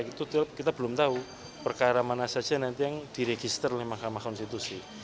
itu kita belum tahu perkara mana saja nanti yang diregister oleh mahkamah konstitusi